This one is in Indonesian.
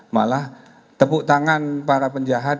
malah tepuk tangan para penjahat